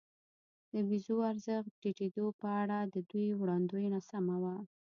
د پیزو د ارزښت ټیټېدو په اړه د دوی وړاندوېنه سمه وه.